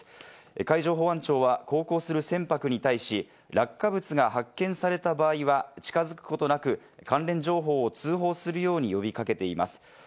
海上保安庁は航行する船舶に対し、落下物が発見された場合は、近づくことなく関連情報を通報するように呼び掛けています。